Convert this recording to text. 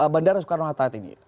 bandara soekarno hatta t tiga u